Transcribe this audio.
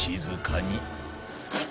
静かに。